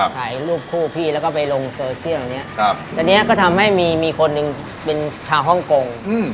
ถ่ายรูปคู่พี่แล้วก็ไปลงโซเชียลอย่างนี้ตอนนี้ก็ทำให้มีคนหนึ่งเป็นชาวฮ่องกง